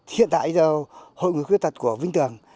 hiện tại hội người khuyết tật của vinh tường